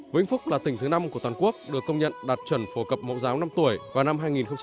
vĩnh phúc là tỉnh thứ năm của toàn quốc được công nhận đạt chuẩn phổ cập mẫu giáo năm tuổi vào năm hai nghìn hai mươi